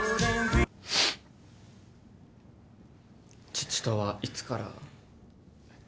父とはいつから？